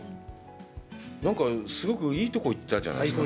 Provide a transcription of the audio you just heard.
なんかすごくいいところ行ったじゃないですか。